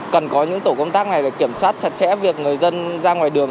cần có những tổ công tác này để kiểm soát chặt chẽ việc người dân ra ngoài đường